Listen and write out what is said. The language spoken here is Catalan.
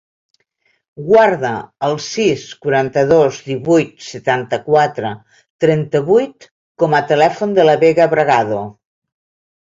Guarda el sis, quaranta-dos, divuit, setanta-quatre, trenta-vuit com a telèfon de la Vega Bragado.